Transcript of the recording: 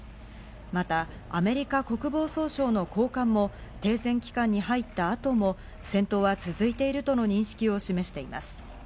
またアメリカ国防総省の高官も停戦期間に入ったあとも戦闘は続いているとの認識を示しています。